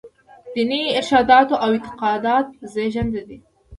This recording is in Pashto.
دیني ارشاداتو او اعتقاد زېږنده دي.